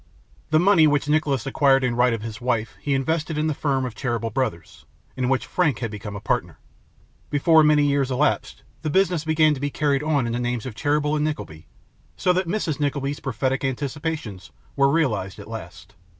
The money which Nicholas acquired in right of his wife he invested in the firm of Cheeryble Brothers, in which Frank had become a partner. Before many years elapsed, the business began to be carried on in the names of 'Cheeryble and Nickleby,' so that Mrs. Nickleby's prophetic anticipations were realised at last.